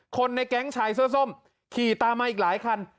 ในแก๊งชายเสื้อส้มขี่ตามมาอีกหลายคัน